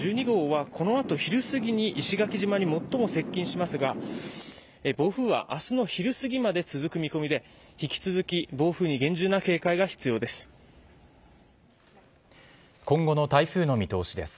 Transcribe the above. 台風１２号は、このあと昼過ぎに石垣島に最も接近しますが、暴風はあすの昼過ぎまで続く見込みで、引き続き暴風に厳重な警戒が必要です。